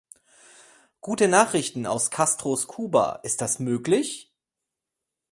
Gute Nachrichten aus Castros Kuba, ist das möglich?